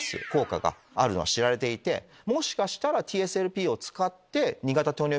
もしかしたらＴＳＬＰを使って。